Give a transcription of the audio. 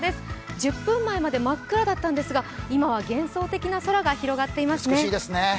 １０分前まで真っ暗だったんですが今は幻想的な空が広がっていますね。